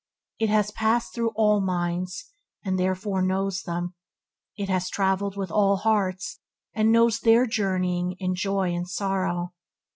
It has passed through all minds, and therefore knows them. It has traveled with all hearts, and knows their journeying in joy and sorrow.